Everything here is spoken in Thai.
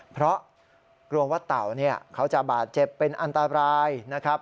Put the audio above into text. เพราะกลัวว่าเต่าเนี่ยเขาจะบาดเจ็บเป็นอันตรายนะครับ